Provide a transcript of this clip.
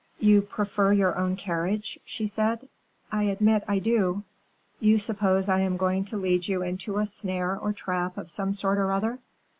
"You prefer your own carriage?" she said. "I admit I do." "You suppose I am going to lead you into a snare or trap of some sort or other?"